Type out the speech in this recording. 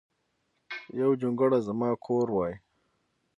یو جونګړه ځما کور وای